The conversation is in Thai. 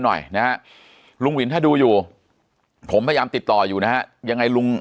หน่อยนะฮะลุงวินถ้าดูอยู่ผมพยายามติดต่ออยู่นะฮะยังไงลุง